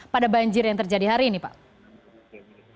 pada banjir yang terjadi hari ini pak